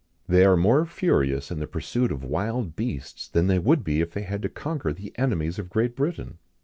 They are more furious in the pursuit of wild beasts, than they would be if they had to conquer the enemies of Great Britain.